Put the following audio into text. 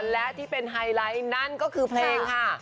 และที่เป็นไฮไลท์นั่นก็คือเพลงค่ะ